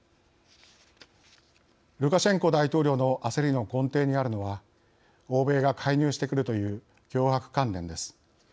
ルカシェンコ大統領の焦りの根底にあるのは欧米が介入してくるという強迫観念です。